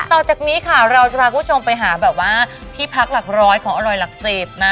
ต่อจากนี้ค่ะเราจะพาคุณผู้ชมไปหาแบบว่าที่พักหลักร้อยของอร่อยหลักเสพนะ